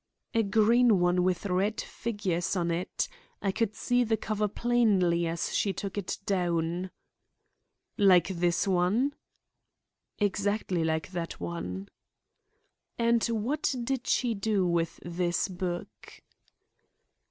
"A green one with red figures on it. I could see the cover plainly as she took it down." "Like this one?" "Exactly like that one." "And what did she do with this book?"